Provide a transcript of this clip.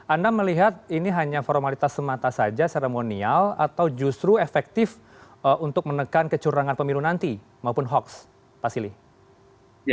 anda melihat ini hanya formalitas semata saja seremonial atau justru efektif untuk menekan kecurangan pemilu nanti maupun hoax pak silly